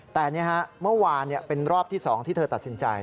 แต่นี่ฮะเมื่อวานเป็นรอบที่๒ที่เธอตัดสินใจ